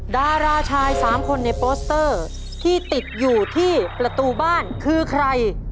ดาราชาย๓คนในโปสเตอร์ที่ติดอยู่ที่ประตูบ้านคือใคร